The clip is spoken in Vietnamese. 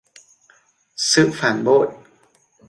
sự phản bội